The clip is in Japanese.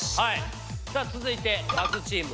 さあ続いて×チーム。